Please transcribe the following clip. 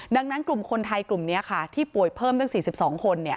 ดังนั้นกลุ่มคนไทยกลุ่มนี้ค่ะที่ป่วยเพิ่มตั้ง๔๒คน